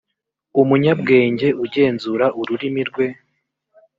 umunyabwenge ugenzura ururimi rwe